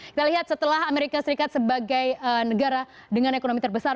kita lihat setelah amerika serikat sebagai negara dengan ekonomi terbesar